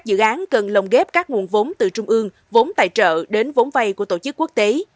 đồng ghép các nguồn vốn từ trung ương vốn tài trợ đến vốn vay của tổ chức quốc tế